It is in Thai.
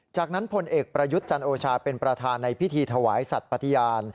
จากนั้นพลเอกประยุทธ์จันโอชาเป็นประธานในพิธีถวายสัตว์ปฏิญาณ